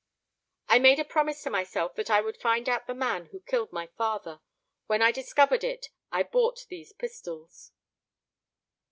"I made a promise to myself that I would find out the man who killed my father. When I discovered it I bought these pistols."